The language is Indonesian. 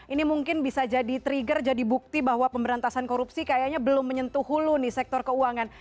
ini mungkin bisa jadi trigger jadi bukti bahwa pemberantasan korupsi kayaknya belum menyentuh hulu nih sektor keuangan